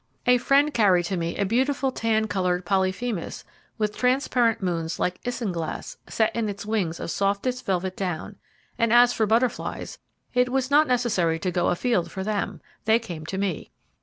A friend carried to me a beautiful tan coloured Polyphemus with transparent moons like isinglass set in its wings of softest velvet down, and as for butterflies, it was not necessary to go afield for them; they came to me.